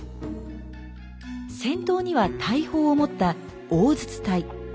先頭には大砲を持った「大銃隊」。